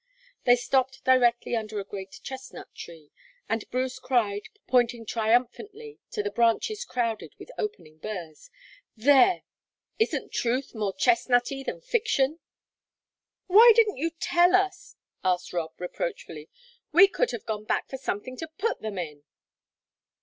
They stopped directly under a great chestnut tree, and Bruce cried, pointing triumphantly to the branches crowded with opening burs: "There! Isn't truth more chestnutty than fiction?" "Why didn't you tell us?" asked Rob, reproachfully. "We could have gone back for something to put them in."